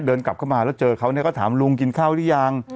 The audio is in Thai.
กลับเข้ามาแล้วเจอเขาก็ถามลุงกินข้าวหรือยัง